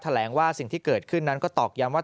แหลงว่าสิ่งที่เกิดขึ้นนั้นก็ตอกย้ำว่า